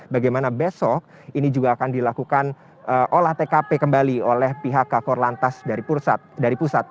bagaimana besok ini juga akan dilakukan olah tkp kembali oleh pihak kakor lantas dari pusat